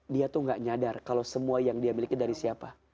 dia tuh gak nyadar kalau semua yang dia miliki dari siapa